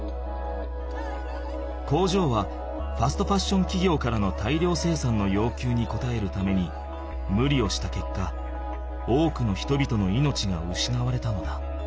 工場はファストファッションきぎょうからの大量生産のようきゅうにこたえるためにむりをしたけっか多くの人々の命がうしなわれたのだ。